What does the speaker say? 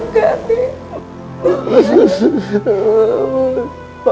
mbak be udah kerja keras buat keluarga kita